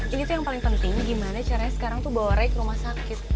ini tuh yang paling penting gimana caranya sekarang tuh bawa rek rumah sakit